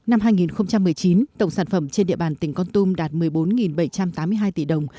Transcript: năm hai nghìn một mươi chín tổng sản phẩm trên địa bàn tỉnh con tum đạt một mươi bốn bảy trăm tám mươi hai tỷ đồng